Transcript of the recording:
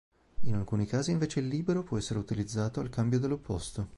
In alcuni casi invece il libero può essere utilizzato al cambio dell'opposto.